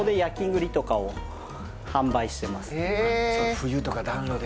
冬とか暖炉で。